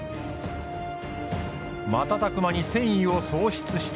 瞬く間に戦意を喪失した。